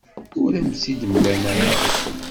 Ur am-t-id-mlan ara.